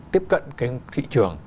tiếp cận cái thị trường